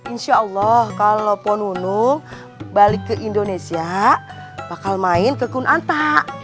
insya allah kalo poh nunung balik ke indonesia bakal main ke kunanta